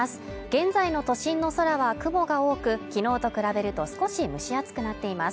現在の都心の空は雲が多くきのうと比べると少し蒸し暑くなっています